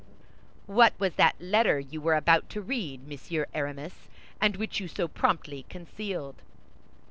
"What was that letter you were about to read, Monsieur Aramis, and which you so promptly concealed?"